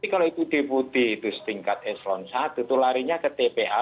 kalau itu diputi setingkat eselon satu itu larinya ke tpa